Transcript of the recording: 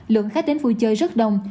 lượng khách đến vui chơi rất đông